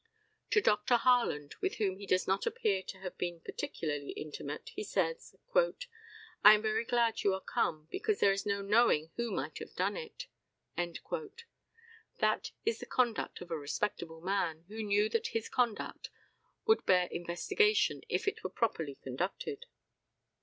To Dr. Harland, with whom he does not appear to have been particularly intimate, he says, "I am very glad you are come, because there is no knowing who might have done it." That is the conduct of a respectable man, who knew that his conduct would bear investigation if it were properly conducted.